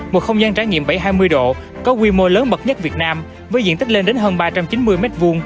một không gian trải nghiệm bảy trăm hai mươi độ có quy mô lớn bậc nhất việt nam với diện tích lên đến hơn ba trăm chín mươi m hai